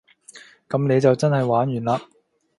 噉你就真係玩完嘞